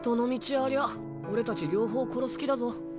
ありゃあ俺たち両方殺す気だぞ。